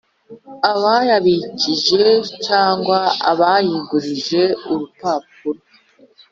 Abayabikije cyangwa abayigurije urupapuro